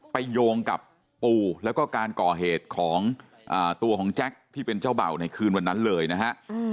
โยงกับปูแล้วก็การก่อเหตุของตัวของแจ็คที่เป็นเจ้าเบ่าในคืนวันนั้นเลยนะฮะ